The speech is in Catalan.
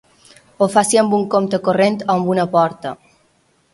Ho faci amb un compte corrent o amb una porta.